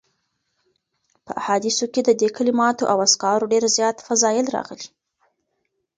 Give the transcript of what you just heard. په احاديثو کي د دي کلماتو او اذکارو ډير زیات فضائل راغلي